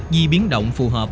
di biến động phù hợp